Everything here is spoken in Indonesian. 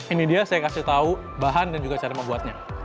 ini dia saya kasih tahu bahan dan juga cara membuatnya